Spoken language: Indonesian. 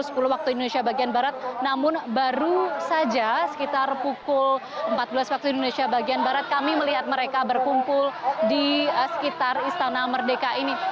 pukul sepuluh waktu indonesia bagian barat namun baru saja sekitar pukul empat belas waktu indonesia bagian barat kami melihat mereka berkumpul di sekitar istana merdeka ini